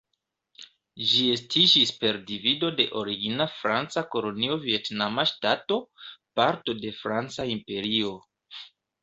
Ĝi estiĝis per divido de origina franca kolonio Vjetnama ŝtato, parto de franca imperio.